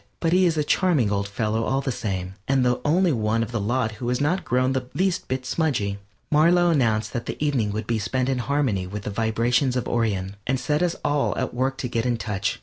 But he is a charming old fellow all the same, and the only one of the lot who has not grown the least bit smudgy. Marlow announced that the evening would be spent in harmony with the vibrations of Orion, and set us all at work to get in touch.